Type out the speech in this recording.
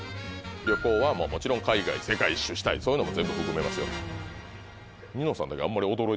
旅行はもちろん海外世界一周したいそういうのも全部含めますよ。